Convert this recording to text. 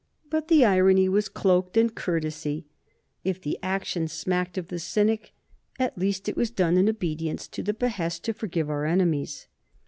But the irony was cloaked by courtesy; if the action smacked of the cynic, at least it was done in obedience to the behest to forgive our enemies.